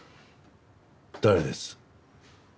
誰です？